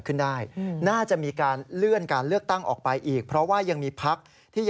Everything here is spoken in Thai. การเลือกตั้ง๒๔กุมภาพันธ์ปี๖๒